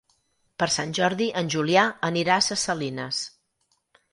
Per Sant Jordi en Julià anirà a Ses Salines.